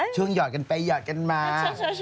หยอดกันไปหยอดกันมา